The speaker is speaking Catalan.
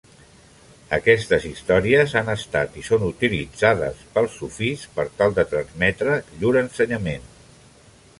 Aquestes històries han estat i són utilitzades pels sufís per tal de transmetre llur ensenyament.